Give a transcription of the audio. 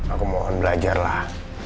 aku mohon belajarlah